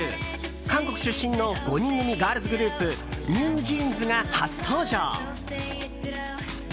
韓国出身の５人組ガールズグループＮｅｗＪｅａｎｓが初登場。